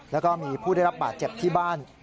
แล้วก็มีผู้ได้รับบาดเจ็บที่บ้าน